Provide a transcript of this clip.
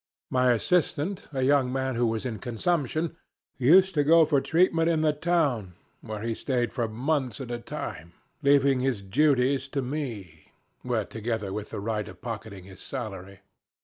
My assistant, a young man who was in consumption, used to go for treatment to the town, where he stayed for months at a time, leaving his duties to me together with the right of pocketing his salary.